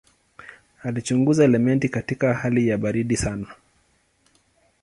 Alichunguza elementi katika hali ya baridi sana.